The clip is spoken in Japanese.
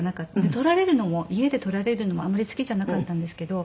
撮られるのも家で撮られるのもあんまり好きじゃなかったんですけど。